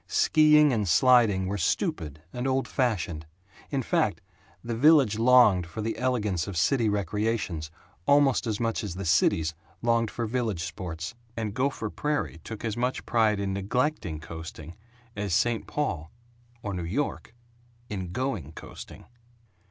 Skiing and sliding were "stupid" and "old fashioned." In fact, the village longed for the elegance of city recreations almost as much as the cities longed for village sports; and Gopher Prairie took as much pride in neglecting coasting as St. Paul or New York in going coasting.